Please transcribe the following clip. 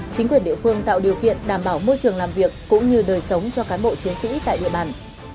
chính quyền địa phương tạo điều kiện đảm bảo môi trường làm việc cũng như đời sống cho cán bộ chiến sĩ tại địa bàn